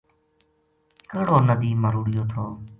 کہڑو ندی ما رُڑھیو تھو